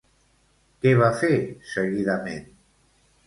Què va fer, seguidament?